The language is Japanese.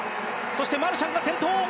そしてマルシャンが先頭。